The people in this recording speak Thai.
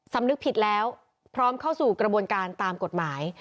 สำนึกผิดแล้วพร้อมเข้าสู่กระบวนการตามกฎหมาย